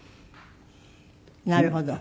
なるほど。